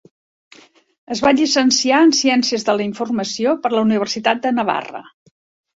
Es va llicenciar en Ciències de la Informació per la Universitat de Navarra.